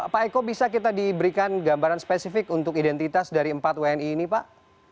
pak eko bisa kita diberikan gambaran spesifik untuk identitas dari empat wni ini pak